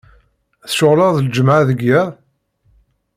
Tceɣleḍ d lǧemεa deg yiḍ?